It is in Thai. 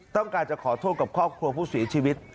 ต้องการจะขอโทษกับครอบครัวผู้เสียชีวิต